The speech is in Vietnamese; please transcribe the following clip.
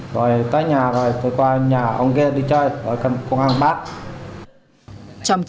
rồi tới nhà rồi tôi qua nhà ông ghê đi chơi rồi cầm công an bắt